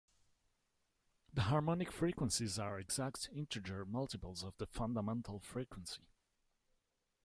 The harmonic frequencies are exact integer multiples of the fundamental frequency.